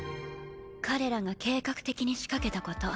彼らが計画的に仕掛けたこと。